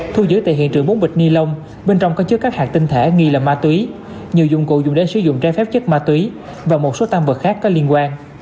thu giữ tại hiện trường bốn bịch ni lông bên trong có chứa các hạt tinh thể nghi là ma túy nhiều dụng cụ dùng để sử dụng trái phép chất ma túy và một số tăng vật khác có liên quan